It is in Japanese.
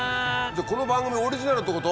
この番組オリジナルってこと？